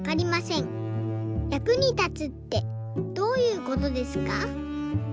役に立つってどういうことですか？」。